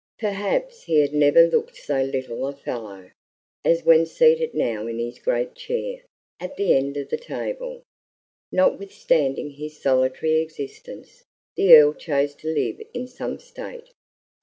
Perhaps he had never looked so little a fellow as when seated now in his great chair, at the end of the table. Notwithstanding his solitary existence, the Earl chose to live in some state.